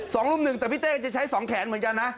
รุ่มหนึ่งแต่พี่เต้จะใช้สองแขนเหมือนกันนะ